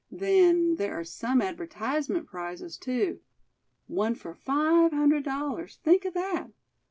Then, there are some advertisement prizes, too. One for five hundred dollars; think of that!